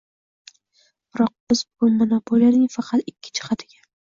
biroq biz bugun monopoliyaning faqat ikkita jihatiga –